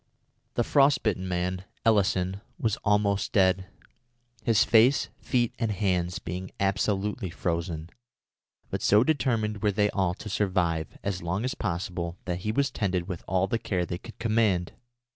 The frost bitten man, Elison, was almost dead, his face, feet, and hands being absolutely frozen, but so determined were they all to survive as long as possible that he was tended with all the care they could command.